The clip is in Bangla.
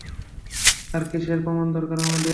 আর কিসের প্রমাণ দরকার আমাদের!